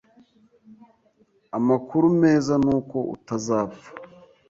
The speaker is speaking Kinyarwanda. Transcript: Amakuru meza nuko utazapfa.